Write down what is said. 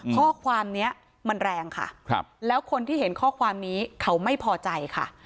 ข้อความนี้มันแรงค่ะแล้วคนที่เห็นข้อความนี้เขาไม่พอใจค่ะ